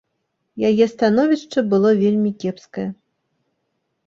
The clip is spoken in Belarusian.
Яе становішча было вельмі кепскае.